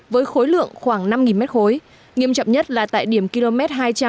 với khối lượng khoảng năm m khối nghiêm trọng nhất là tại điểm km hai trăm linh hai trăm bốn mươi